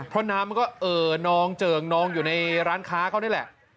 เพราะน้ำมันก็เอ่อนองเจิงนองอยู่ในร้านค้าเขานี่แหละ